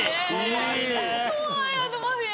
怖いあのマフィア。